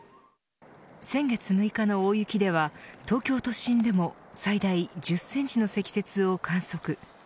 先月６日の大雪では東京都心でも最大１０センチの積雪を観測。